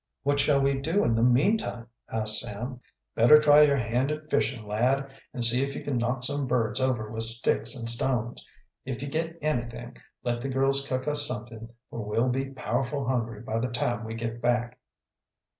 "What shall we do in the meantime?" asked Sam. "Better try your hand at fishin', lad, and see if you can knock some birds over with sticks and stones. If ye get anything, let the girls cook us somethin', for we'll be powerful hungry by the time we get back."